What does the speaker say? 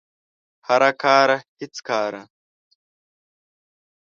هر کاره هیڅ کاره